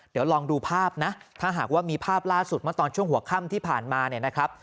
เดี๋ยวลองดูภาพนะถ้าหากว่ามีภาพล่าสุดมาตอนช่วงหัวค่ำที่ผ่านมา